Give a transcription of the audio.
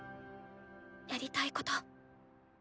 やりたいこと。